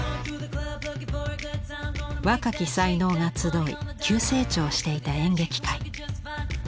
若き才能が集い急成長していた演劇界。